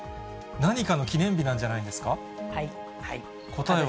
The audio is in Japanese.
何かの記念日なんじゃないですか？